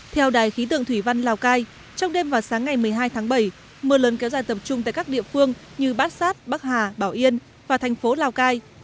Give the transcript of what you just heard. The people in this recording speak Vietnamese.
theo đài khí tượng thủy văn lào cai trong đêm và sáng ngày một mươi hai tháng bảy mưa lớn kéo dài tập trung tại các địa phương như bát sát bắc hà bảo yên và thành phố lào cai